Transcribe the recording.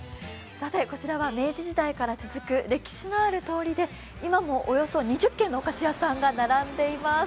こちらは明治時代から続く歴史のある通りで今もおよそ２０軒のお菓子屋さんが並んでいます。